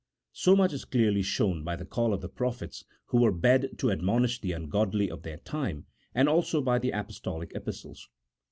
So much is clearly shown by the call of the prophets who were bade to admonish the ungodly of their time, and also by the Apostolic Epistles.